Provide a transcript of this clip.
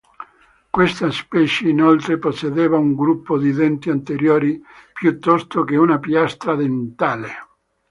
Questa specie, inoltre, possedeva un gruppo di denti anteriori piuttosto che una piastra dentale.